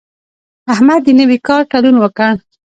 احمد د نوي کار تړون وکړ.